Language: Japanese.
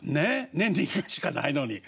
年に１回しかないのに。